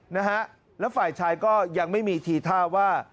นะฮะแล้วฝ่ายชายก็ยังไม่มีทีท่าว่า